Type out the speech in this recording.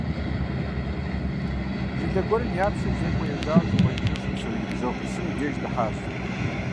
Жылэ гуэрым япщыр зекӀуэ ежьауэ щӏыпӏэ жыжьэ щыпсэу и ныбжьэгъу пщым и деж дыхьащ.